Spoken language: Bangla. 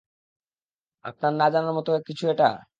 আপনার না জানার মতো কিছু এটা?